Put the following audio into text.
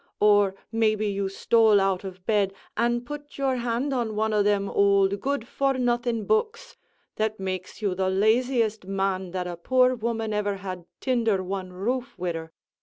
or maybe you stole out of bed, an' put your hand on one o' them ould good for nothing books, that makes you the laziest man that a poor woman ever had tinder one roof wid her?